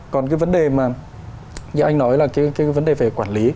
còn cái vấn đề mà như anh nói là cái vấn đề về quản lý